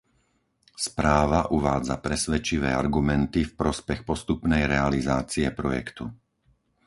Správa uvádza presvedčivé argumenty v prospech postupnej realizácie projektu.